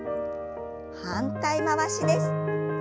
反対回しです。